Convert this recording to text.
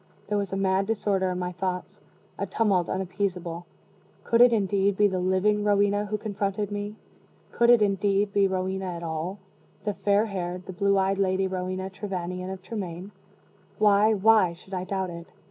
There was a mad disorder in my thoughts a tumult unappeasable. Could it, indeed, be the living Rowena who confronted me? Could it, indeed, be Rowena at all the fair haired, the blue eyed Lady Rowena Trevanion of Tremaine? Why, why should I doubt it?